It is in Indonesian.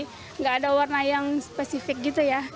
kalau tahun ini lagi gak ada warna yang spesifik gitu ya